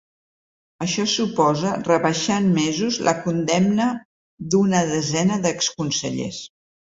Això suposa rebaixar en mesos la condemna d’una desena d’exconsellers.